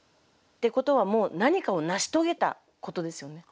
ってことは何かを成し遂げたことですよね。